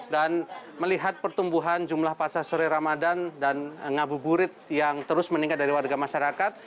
dan melihat pertumbuhan jumlah pasar sore ramadhan dan ngabu gurit yang terus meningkat dari warga masyarakat